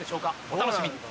お楽しみに。